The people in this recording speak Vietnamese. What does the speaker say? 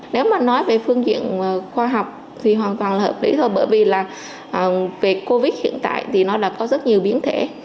nếu mà nói về phương diện khoa học thì hoàn toàn là hợp lý thôi bởi vì là về covid hiện tại thì nó đã có rất nhiều biến thể